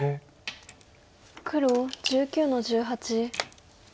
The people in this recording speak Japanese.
黒１９の十八。